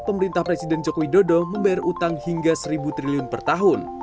pemerintah presiden jokowi dodo membayar utang hingga rp satu triliun per tahun